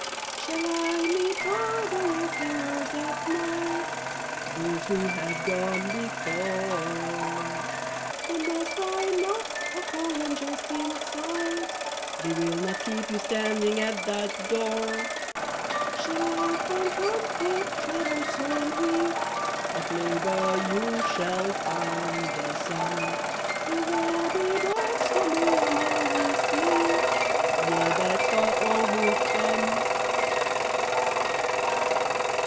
Shall I meet other wayfarers at night? Those who have gone before. Then must I knock, or call when just in sight? They will not keep you standing at that door. Shall I find comfort, travel sore and weak? Of labor you shall find the sum. Will there be beds for me and all who seek? Yea, beds for all who come.